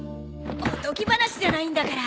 おとぎ話じゃないんだから。